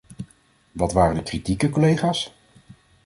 Wat waren de kritieken collega´s?